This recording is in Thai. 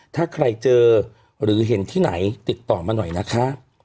ถ้าใครเจอหรือเห็นที่ไหนติดต่อมาหน่อยนะคะ